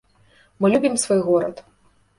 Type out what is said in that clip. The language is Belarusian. Мы любім свой горад.